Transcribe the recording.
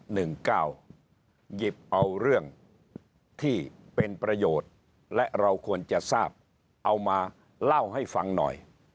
หยิบเอาเรื่องที่เป็นประโยชน์และเราควรจะทราบเอามาเล่าให้ฟังหน่อย